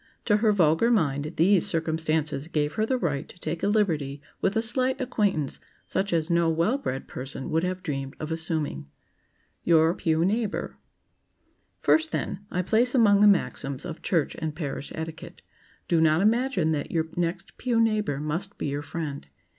To her vulgar mind these circumstances gave her the right to take a liberty with a slight acquaintance such as no well bred person would have dreamed of assuming. [Sidenote: YOUR PEW NEIGHBOR] First, then, I place among the maxims of church and parish etiquette: Do not imagine that your next pew neighbor must be your friend.